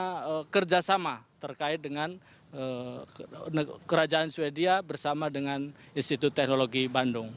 kita kerjasama terkait dengan kerajaan swedia bersama dengan institut teknologi bandung